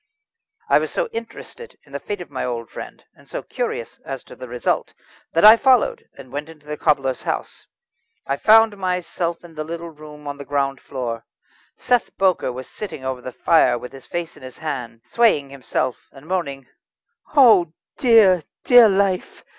I was so interested in the fate of my old friend, and so curious as to the result, that I followed, and went into the cobbler's house. I found myself in the little room on the ground floor. Seth Bowker was sitting over the fire with his face in his hands, swaying himself, and moaning: "Oh dear! dear life!